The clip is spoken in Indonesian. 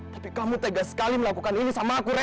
tapi kamu tegas sekali melakukan ini sama aku